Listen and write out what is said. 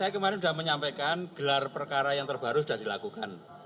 saya kemarin sudah menyampaikan gelar perkara yang terbaru sudah dilakukan